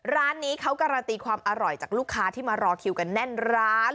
ร้านนี้เขาการันตีความอร่อยจากลูกค้าที่มารอคิวกันแน่นร้าน